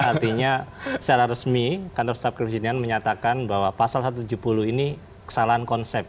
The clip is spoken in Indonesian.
artinya secara resmi kantor staf kepresidenan menyatakan bahwa pasal satu ratus tujuh puluh ini kesalahan konsep